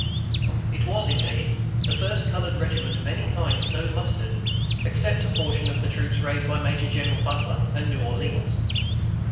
It was, indeed, the first colored regiment of any kind so mustered, except a portion of the troops raised by Major General Butler at New Orleans.